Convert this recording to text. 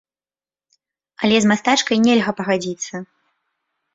Але з мастачкай нельга пагадзіцца.